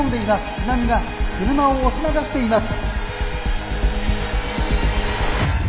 津波が車を押し流しています」。